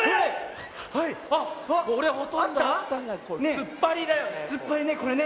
つっぱりだよね。